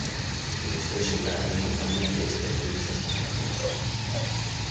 E este exemplar ten compañía de especie nestas instalacións.